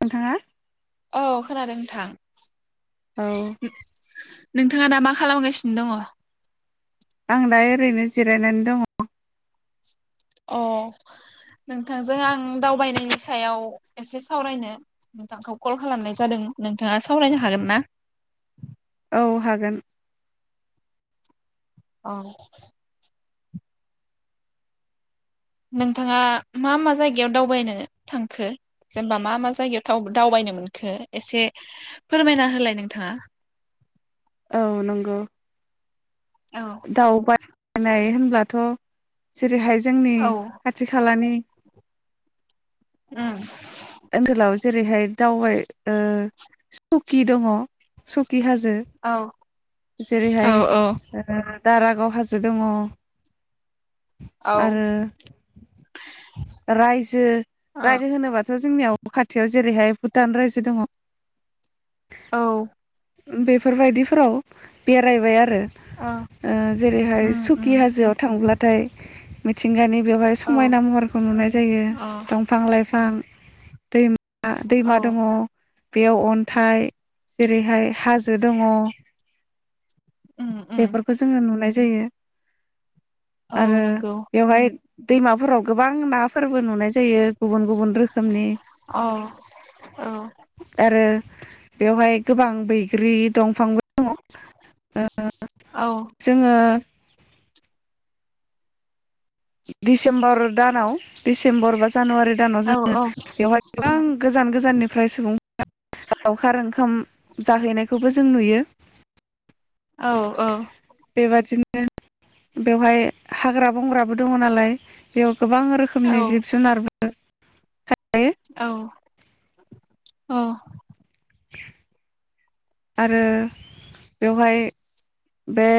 नोंथाङा औ खोनादों थां औ नोंथाङा दा मा खालामगासिनो दङ? आं दा ओरैनो जिरायनानै दङ। अ नोंथांजों आं दावबायनायनि सायाव एसे सावरायनो नोंथांखौ कल खालामनाय जादों नोंथाङा सावरायनो हागोन ना? औ हागोन। औ नोंथाङा मा मा जायगायाव दावबायनो थांखो जेनबा मा मा जायगायाव दावबायनो मोनखो एसे फोरमायना होलाय नोंथाङा औ नंगौ औ दावबायनाय हो दा थ जेरैहाय जोंनि औ खाथि खालानि उम ओनसोलाव जेरैहाय दावबाय ओ सुकि दङ। स्खि हाजो औ औ जेरैहाय औ दारागाव हाजो दङ। औ आरो रायजो औ रायजो होनोबा सो जोंनियाव खाथियाव जेरैहाय भुटान रायजो दङ। औ बेफोरबायदिफोराव बेरायबाय आरो अ ओ जेरैहाय उम उम सुकि हाजोआव थांब्ला नाथाय मिथिंगानि बेवहाय औ समायना महारखौ नुनाय जायो अ दंफां लाइफां, दै आ औ दैमा दङ बेयाव अन्थाइ जेरैहाय हाजो दंह उम उम बेफोरखौ जोङो नुनाय जायो औ आरो नंगौ बेवहाय दैमाफोराव गोबां नाफोरबो नुनाय जायो गुबुन गुबुन रोखो माने औ औ आरो बेवहाय गोबां बैग्रि दंफांबो दङ ओ औ जोङो, दिडिसेम्बर दानाव डिसेम्बर बास जानुवारि दानाव औ जोङो औ बेवहाय गोबां गोजान गोजाननि फ्राय सुबुं लावखार ओंखाम जाहैनायखौबो जों नुयो औ औ बेबादिनो बेवहाय हाग्रा बंग्राबो दङ नालाय बेव गोबां औ रोखोमनि जिब जुनार बो [unintelligible] औ औ आरो बेवहाय बे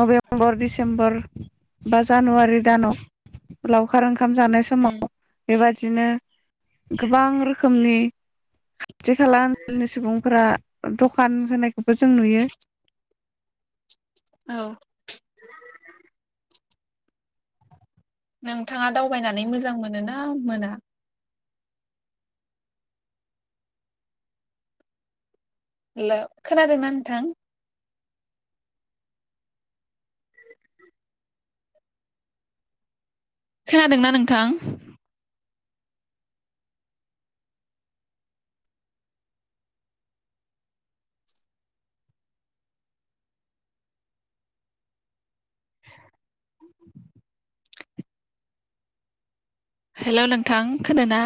नबेम्बर डिसेम्बर बा जानुवारि दानाव लावखार ओंख ओंखाम जानाय समाव बेबायदि, बिदिनो गोबां रोखोमनि, खाथि खाला ओनसोलनि सुबुंफोरा दखान होनायखौबो जों नुयो, औ नोंथाङा दावबायनानै मोजां मोनोना मोना? हेलौ खोनादों ना नोंथां? खोनादोंना नोंथां? औ हेलौ नोंथां खोदोना?